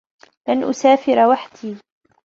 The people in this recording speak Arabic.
لَنْ أُسَافِرَ وَحْدِي.